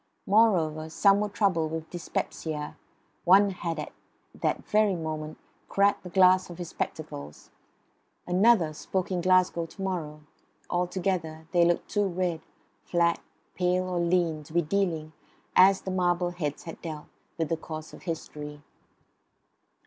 Moreover, some were troubled with dyspepsia; one had at that very moment cracked the glass of his spectacles; another spoke in Glasgow to morrow; altogether they looked too red, fat, pale or lean, to be dealing, as the marble heads had dealt, with the course of history.